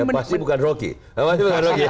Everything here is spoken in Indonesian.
ya pasti bukan rocky